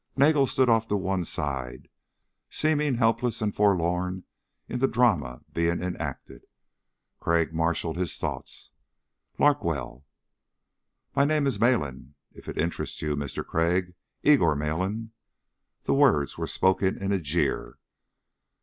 Nagel stood off to one side, seeming helpless and forlorn in the drama being enacted. Crag marshaled his thoughts. "Larkwell?" "My name is Malin ... if it interest you, Mister Crag. Igor Malin." The words were spoken in a jeer.